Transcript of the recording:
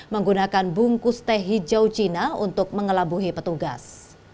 menggunakan bungkus teh hijau cina untuk mengelabuhi petugas